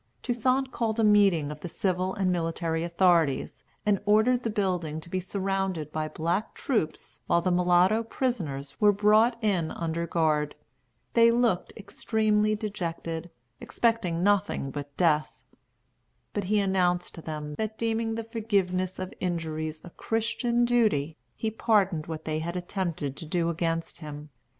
Toussaint called a meeting of the civil and military authorities, and ordered the building to be surrounded by black troops while the mulatto prisoners were brought in under guard. They looked extremely dejected, expecting nothing but death. But he announced to them that, deeming the forgiveness of injuries a Christian duty, he pardoned what they had attempted to do against him.